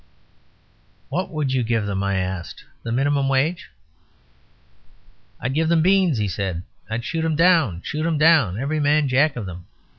"What would you give them," I asked, "the minimum wage?" "I'd give them beans," he said. "I'd shoot 'em down shoot 'em down, every man Jack of them.